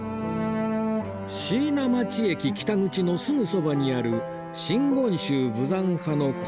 椎名町駅北口のすぐそばにある真言宗豊山派の金剛院